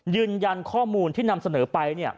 ยืนยันข้อมูลที่นำเสนอไป